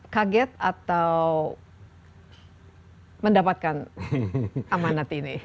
kaget atau mendapatkan amanat ini